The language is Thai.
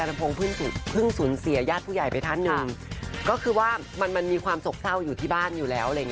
เรื่องตั่งผ่านมายังไม่ได้ว่าที่อินายกเลย